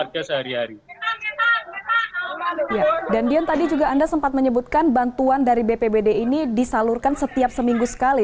dan dion tadi anda juga sempat menyebutkan bantuan dari bpbd ini disalurkan setiap seminggu sekali